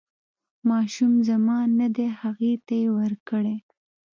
ماشوم زما نه دی هغې ته یې ورکړئ.